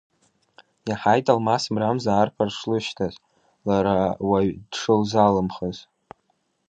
Иаҳаит Алмас Мрамза арԥар шлышьҭаз, лара уаҩ дшылзалымхыз.